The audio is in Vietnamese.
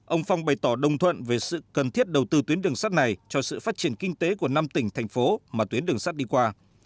ông phong bày tỏ đồng thuận về sự cần thiết đầu tư tuyến đường sắt này cho sự phát triển kinh tế của năm tỉnh thành phố mà tuyến đường sắt đi qua